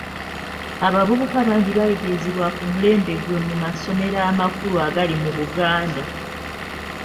Abavubuka bangi baayigirizibwa ku mulembe gwe mu masomero amakulu agali mu Buganda.